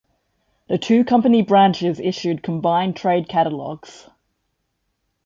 The two company branches issued combined trade catalogs.